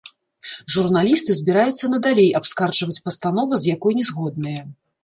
Журналісты збіраюцца надалей абскарджваць пастанову, з якой не згодныя.